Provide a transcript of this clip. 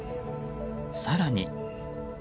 更に。